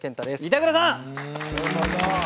板倉さん！